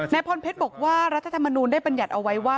พรเพชรบอกว่ารัฐธรรมนูลได้บรรยัติเอาไว้ว่า